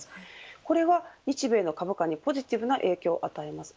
これは日米の株価にポジティブな影響を与えます。